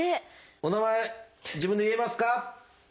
「お名前自分で言えますか？」。